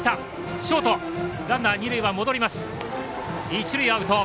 一塁アウト。